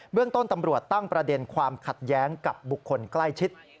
เรื่องต้นตำรวจตั้งประเด็นความขัดแย้งกับบุคคลใกล้ชิด